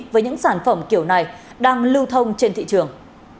với những sản phẩm kiểu này đang lưu thông trên thị trường